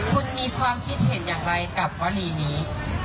คุณมีความคิดเห็นอย่างไรกับกรณีนี้